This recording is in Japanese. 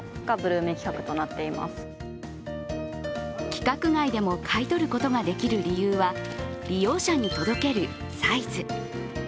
規格外でも買い取ることができる理由は、利用者に届けるサイズ。